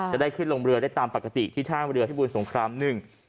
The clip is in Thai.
จะได้ขึ้นลงเรือได้ตามปกติที่ท่ามเรือพิบูรสงครามหนึ่ง